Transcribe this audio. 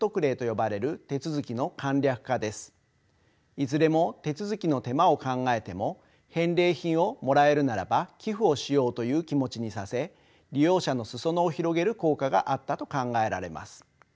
いずれも手続きの手間を考えても返礼品をもらえるならば寄付をしようという気持ちにさせ利用者の裾野を広げる効果があったと考えられます。